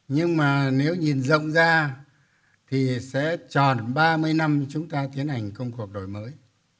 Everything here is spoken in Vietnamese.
nhưng mà nếu nhìn rộng ra thì sẽ tròn ba mươi năm chúng ta tiến hành công cuộc đổi mới